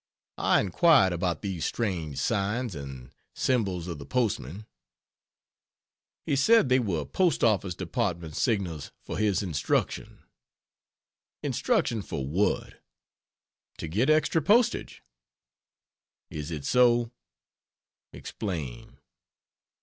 I inquired about these strange signs and symbols of the postman. He said they were P. O. Department signals for his instruction. "Instruction for what?" "To get extra postage." "Is it so? Explain.